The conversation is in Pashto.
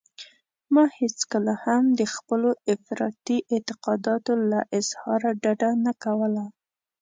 ما هېڅکله هم د خپلو افراطي اعتقاداتو له اظهاره ډډه نه کوله.